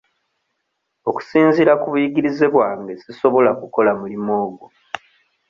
Okusinziira ku buyigirize bwange sisobola kukola mulimu ogwo.